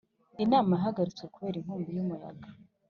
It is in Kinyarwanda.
inama yahagaritswe kubera inkubi y'umuyaga.